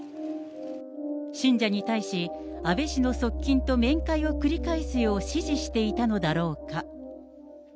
信者に対し、安倍氏の側近と面会を繰り返すよう指示していたのだろうか。